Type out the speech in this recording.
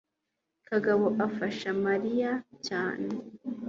kagabo afasha mariya cyane